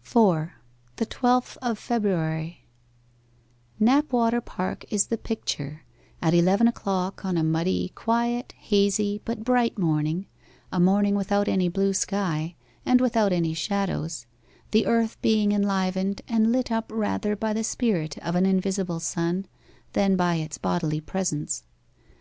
4. THE TWELFTH OF FEBRUARY Knapwater Park is the picture at eleven o'clock on a muddy, quiet, hazy, but bright morning a morning without any blue sky, and without any shadows, the earth being enlivened and lit up rather by the spirit of an invisible sun than by its bodily presence.